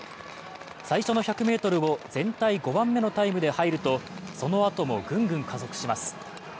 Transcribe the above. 最初の１００ｍを全体５番目のタイムで入るとそのあともグングン加速します。